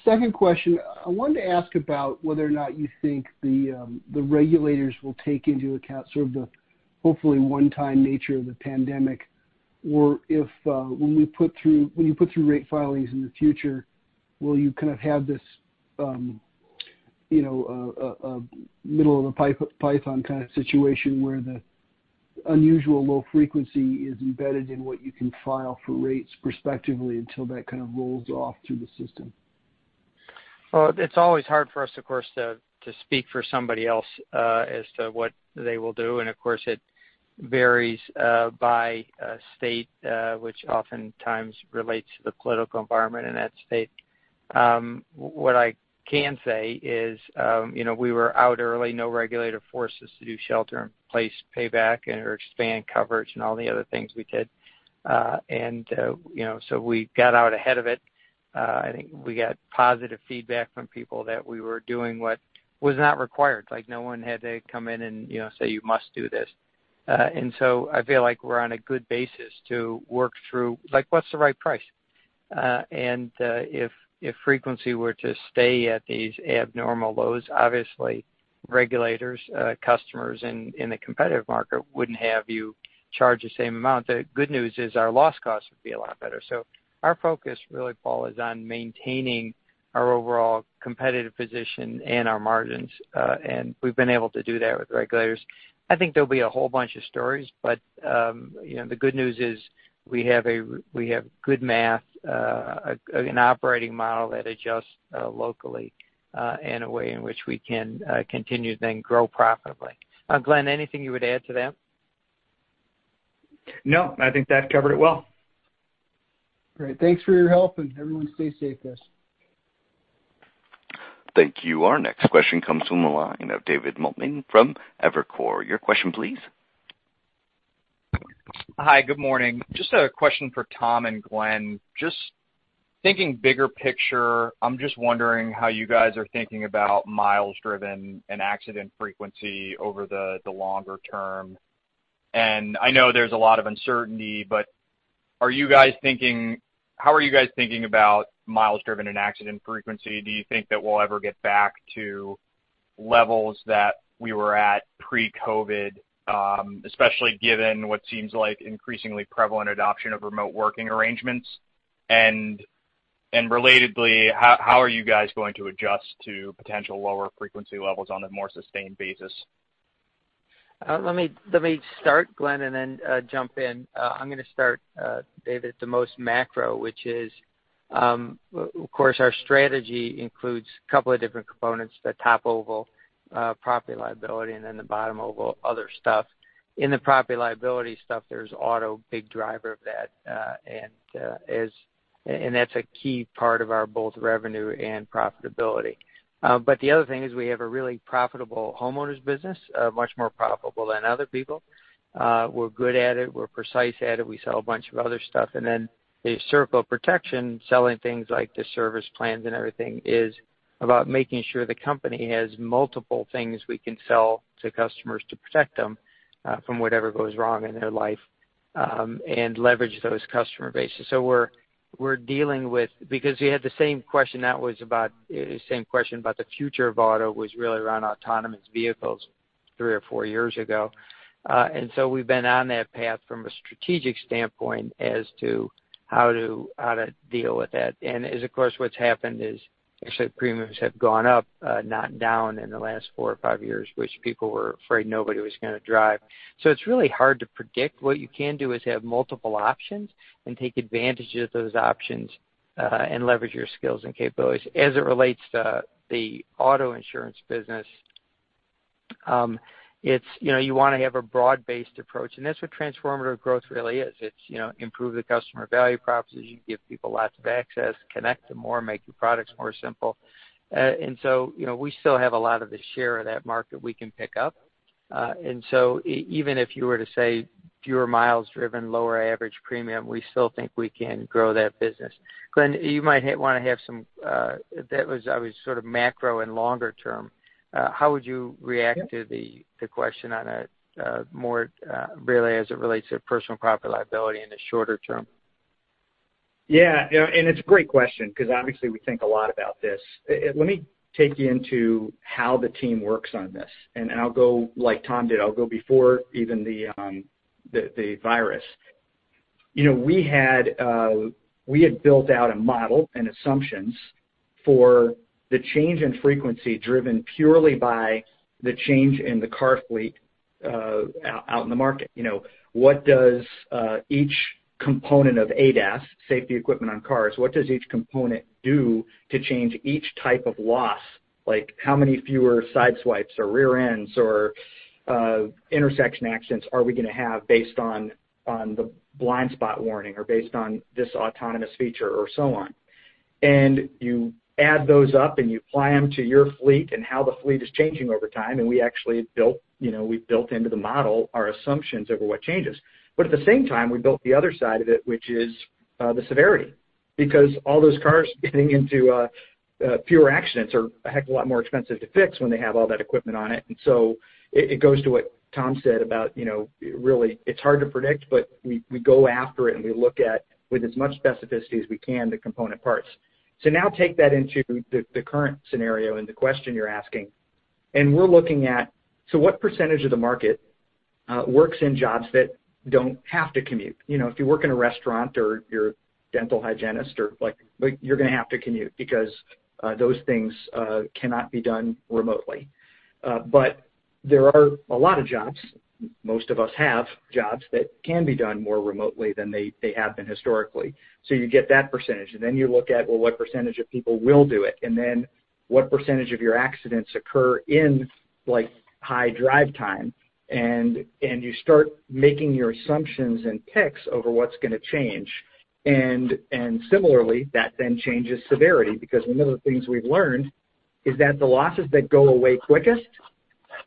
Second question, I wanted to ask about whether or not you think the regulators will take into account sort of the hopefully one-time nature of the pandemic, or if, when you put through rate filings in the future, will you kind of have this middle-of-the-pipeline kind of situation where the unusual low frequency is embedded in what you can file for rates prospectively until that kind of rolls off through the system? It's always hard for us, of course, to speak for somebody else as to what they will do. And of course, it varies by state, which oftentimes relates to the political environment in that state. What I can say is we were out early, no regulator forced us to do Shelter-in-Place Payback and/or expand coverage and all the other things we did. And so we got out ahead of it. I think we got positive feedback from people that we were doing what was not required. No one had to come in and say, "You must do this." And so I feel like we're on a good basis to work through what's the right price. And if frequency were to stay at these abnormal lows, obviously, regulators, customers in the competitive market wouldn't have you charge the same amount. The good news is our loss costs would be a lot better. So our focus really, Paul, is on maintaining our overall competitive position and our margins. And we've been able to do that with regulators. I think there'll be a whole bunch of stories, but the good news is we have good math, an operating model that adjusts locally in a way in which we can continue to then grow profitably. Glenn, anything you would add to that? No. I think that covered it well. All right. Thanks for your help, and everyone stay safe, guys. Thank you. Our next question comes from the line of David Motemaden from Evercore. Your question, please. Hi. Good morning. Just a question for Tom and Glenn. Just thinking bigger picture, I'm just wondering how you guys are thinking about miles driven and accident frequency over the longer term. And I know there's a lot of uncertainty, but how are you guys thinking about miles driven and accident frequency? Do you think that we'll ever get back to levels that we were at pre-COVID, especially given what seems like increasingly prevalent adoption of remote working arrangements? And relatedly, how are you guys going to adjust to potential lower frequency levels on a more sustained basis? Let me start, Glenn, and then jump in. I'm going to start, David, at the most macro, which is, of course, our strategy includes a couple of different components: the top oval, property liability, and then the bottom oval, other stuff. In the property liability stuff, there's auto, big driver of that. And that's a key part of our both revenue and profitability. But the other thing is we have a really profitable homeowners business, much more profitable than other people. We're good at it. We're precise at it. We sell a bunch of other stuff. And then the circle of protection, selling things like the service plans and everything, is about making sure the company has multiple things we can sell to customers to protect them from whatever goes wrong in their life and leverage those customer bases. We're dealing with the same question about the future of auto, which was really around autonomous vehicles three or four years ago. We've been on that path from a strategic standpoint as to how to deal with that. Of course, what's happened is actually premiums have gone up, not down in the last four or five years, which people were afraid nobody was going to drive. It's really hard to predict. What you can do is have multiple options and take advantage of those options and leverage your skills and capabilities. As it relates to the auto insurance business, you want to have a broad-based approach. That's what transformative growth really is. It's improve the customer value proposition, give people lots of access, connect them more, make your products more simple. And so we still have a lot of the share of that market we can pick up. And so even if you were to say fewer miles driven, lower average premium, we still think we can grow that business. Glenn, you might want to have some. That was sort of macro and longer term. How would you react to the question on a more really as it relates to personal property liability in the shorter term? Yeah. And it's a great question because obviously we think a lot about this. Let me take you into how the team works on this. And I'll go like Tom did. I'll go before even the virus. We had built out a model and assumptions for the change in frequency driven purely by the change in the car fleet out in the market. What does each component of ADAS, safety equipment on cars, what does each component do to change each type of loss? How many fewer side swipes or rear ends or intersection accidents are we going to have based on the blind spot warning or based on this autonomous feature or so on? And you add those up and you apply them to your fleet and how the fleet is changing over time. And we actually built into the model our assumptions over what changes. But at the same time, we built the other side of it, which is the severity. Because all those cars getting into fewer accidents are a heck of a lot more expensive to fix when they have all that equipment on it. And so it goes to what Tom said about really it's hard to predict, but we go after it and we look at with as much specificity as we can the component parts. So now take that into the current scenario and the question you're asking. And we're looking at so what percentage of the market works in jobs that don't have to commute? If you work in a restaurant or you're a dental hygienist, you're going to have to commute because those things cannot be done remotely. But there are a lot of jobs, most of us have jobs that can be done more remotely than they have been historically. So you get that percentage. And then you look at, well, what percentage of people will do it? And then what percentage of your accidents occur in high drive time? And you start making your assumptions and picks over what's going to change. And similarly, that then changes severity because one of the things we've learned is that the losses that go away quickest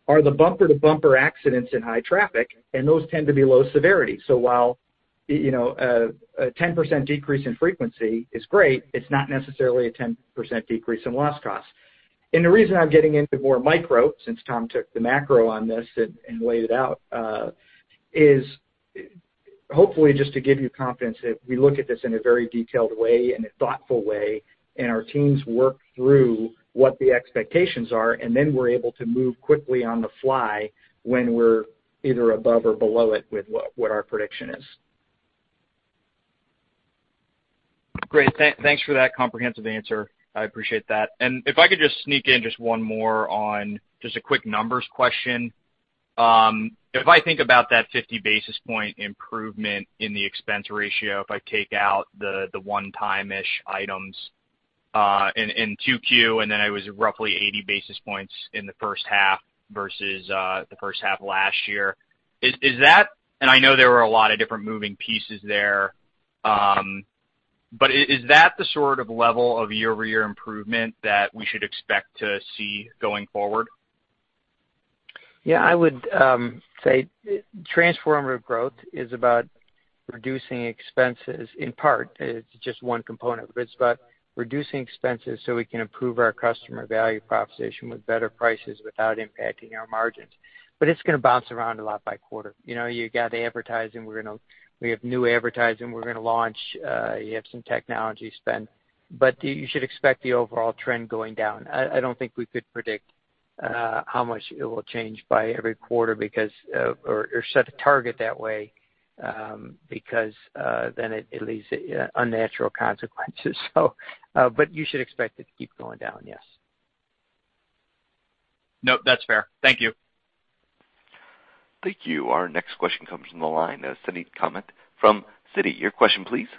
are the bumper-to-bumper accidents in high traffic, and those tend to be low severity. So while a 10% decrease in frequency is great, it's not necessarily a 10% decrease in loss costs. And the reason I'm getting into more micro since Tom took the macro on this and laid it out is hopefully just to give you confidence that we look at this in a very detailed way and a thoughtful way, and our teams work through what the expectations are, and then we're able to move quickly on the fly when we're either above or below it with what our prediction is. Great. Thanks for that comprehensive answer. I appreciate that. And if I could just sneak in just one more on just a quick numbers question. If I think about that 50 basis point improvement in the expense ratio, if I take out the one-time-ish items in Q2, and then I was roughly 80 basis points in the first half versus the first half last year, is that, and I know there were a lot of different moving pieces there, but is that the sort of level of year-over-year improvement that we should expect to see going forward? Yeah. I would say transformative growth is about reducing expenses in part. It's just one component. But it's about reducing expenses so we can improve our customer value proposition with better prices without impacting our margins. But it's going to bounce around a lot by quarter. You got the advertising. We have new advertising. We're going to launch. You have some technology spend. But you should expect the overall trend going down. I don't think we could predict how much it will change by every quarter or set a target that way because then it leads to unnatural consequences. But you should expect it to keep going down, yes. Nope. That's fair. Thank you. Thank you. Our next question comes from the line of Suneet Kamath from Citi. Your question, please.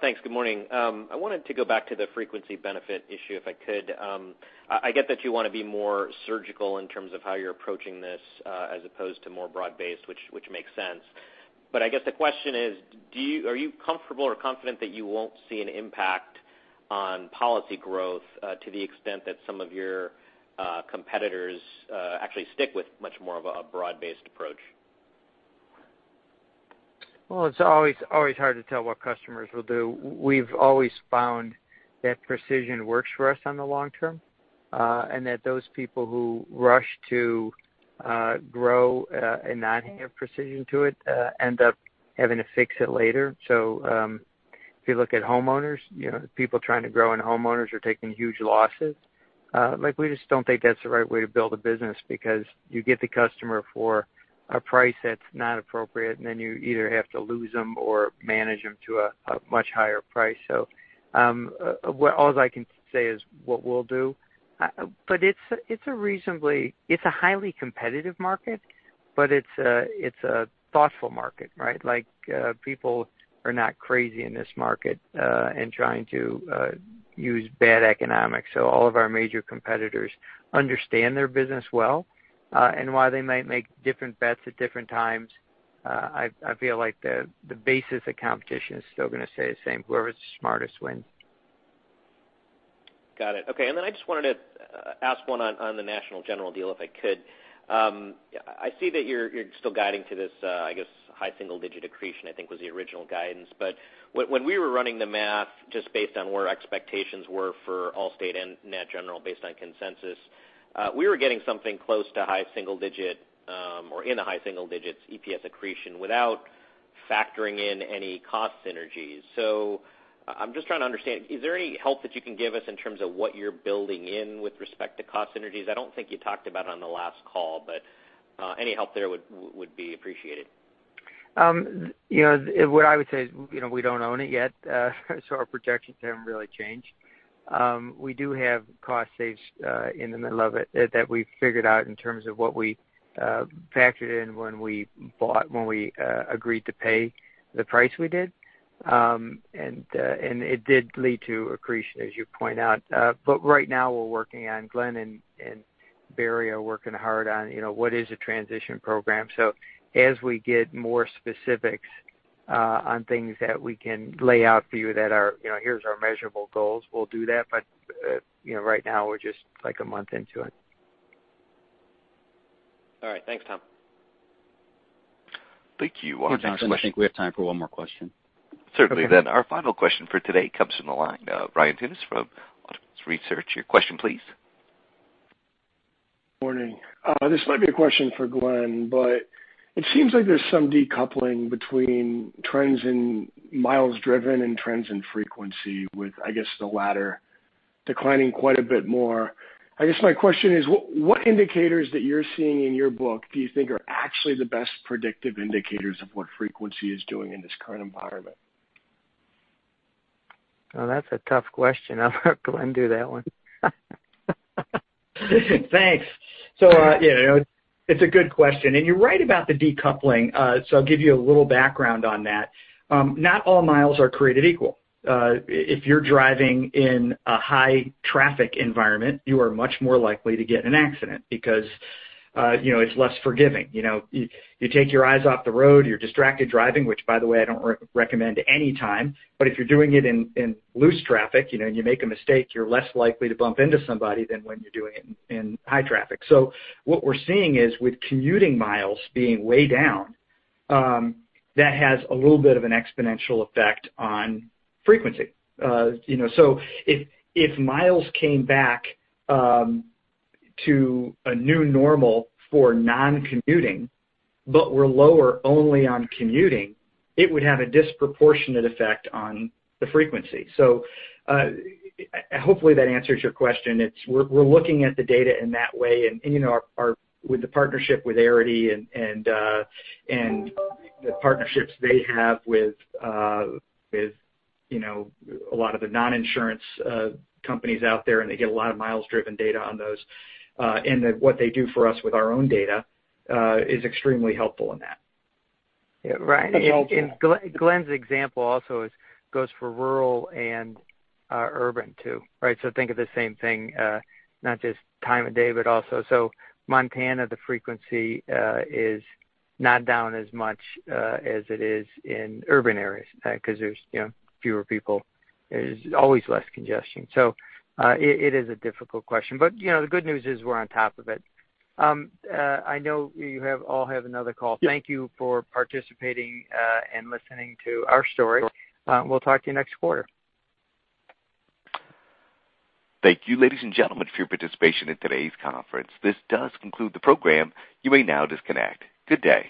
Thanks. Good morning. I wanted to go back to the frequency benefit issue if I could. I get that you want to be more surgical in terms of how you're approaching this as opposed to more broad-based, which makes sense. But I guess the question is, are you comfortable or confident that you won't see an impact on policy growth to the extent that some of your competitors actually stick with much more of a broad-based approach? It's always hard to tell what customers will do. We've always found that precision works for us on the long term and that those people who rush to grow and not have precision to it end up having to fix it later. So if you look at homeowners, people trying to grow in homeowners are taking huge losses. We just don't think that's the right way to build a business because you get the customer for a price that's not appropriate, and then you either have to lose them or manage them to a much higher price. So all I can say is what we'll do. But it's a highly competitive market, but it's a thoughtful market, right? People are not crazy in this market and trying to use bad economics. So all of our major competitors understand their business well. While they might make different bets at different times, I feel like the basis of competition is still going to stay the same. Whoever's smartest wins. Got it. Okay. And then I just wanted to ask one on the National General deal if I could. I see that you're still guiding to this, I guess, high single-digit accretion, I think was the original guidance. But when we were running the math just based on where expectations were for Allstate and National General based on consensus, we were getting something close to high single-digit or in the high single-digit EPS accretion without factoring in any cost synergies. So I'm just trying to understand, is there any help that you can give us in terms of what you're building in with respect to cost synergies? I don't think you talked about it on the last call, but any help there would be appreciated. What I would say is we don't own it yet, so our projections haven't really changed. We do have cost saves in the middle of it that we figured out in terms of what we factored in when we agreed to pay the price we did. And it did lead to accretion, as you point out. But right now, we're working on. Glenn and Barry are working hard on what is a transition program. So as we get more specifics on things that we can lay out for you that are, here's our measurable goals, we'll do that. But right now, we're just like a month into it. All right. Thanks, Tom. Thank you. Thanks so much. I think we have time for one more question. Certainly. Then our final question for today comes from the line. Ryan Tunis from Autonomous Research. Your question, please. Morning. This might be a question for Glenn, but it seems like there's some decoupling between trends in miles driven and trends in frequency with, I guess, the latter declining quite a bit more. I guess my question is, what indicators that you're seeing in your book do you think are actually the best predictive indicators of what frequency is doing in this current environment? That's a tough question. I'll let Glenn do that one. Thanks. So yeah, it's a good question. And you're right about the decoupling. So I'll give you a little background on that. Not all miles are created equal. If you're driving in a high traffic environment, you are much more likely to get an accident because it's less forgiving. You take your eyes off the road, you're distracted driving, which, by the way, I don't recommend any time. But if you're doing it in low traffic and you make a mistake, you're less likely to bump into somebody than when you're doing it in high traffic. So what we're seeing is with commuting miles being way down, that has a little bit of an exponential effect on frequency. So if miles came back to a new normal for non-commuting, but we're lower only on commuting, it would have a disproportionate effect on the frequency. So hopefully that answers your question. We're looking at the data in that way, and with the partnership with Arity and the partnerships they have with a lot of the non-insurance companies out there, and they get a lot of miles driven data on those, and what they do for us with our own data is extremely helpful in that. Right. And Glenn's example also goes for rural and urban too, right? So think of the same thing, not just time of day, but also so Montana, the frequency is not down as much as it is in urban areas because there's fewer people. There's always less congestion. So it is a difficult question. But the good news is we're on top of it. I know you all have another call. Thank you for participating and listening to our story. We'll talk to you next quarter. Thank you, ladies and gentlemen, for your participation in today's conference. This does conclude the program. You may now disconnect. Good day.